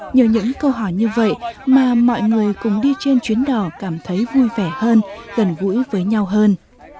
nhờ những câu hỏi như vậy mà mọi người cùng đi trên chuyến đò cảm thấy vui vẻ hơn gần gũi với nhau hơn